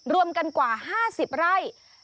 รวมกันกว่า๕๐ไร่